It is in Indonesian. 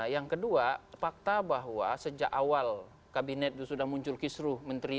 yang kedua fakta bahwa sejak awal kabinet itu sudah muncul kisruh menteri